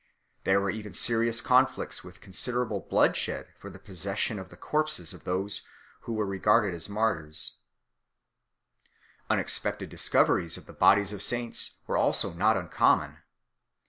There were even serious conflicts with considerable bloodshed for the possession of the corpses of those who were regarded as martyrs 6 . Un expected discoveries of the bodies of saints were also not uncommon.